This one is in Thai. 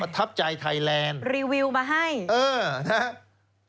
ทับใจไทยแลนด์รีวิวมาให้เออนะครับ